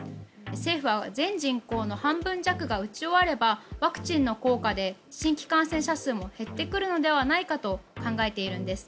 政府は全人口の半分弱が打ち終わればワクチンの効果で新規感染者数も減ってくるのではないかと考えているんです。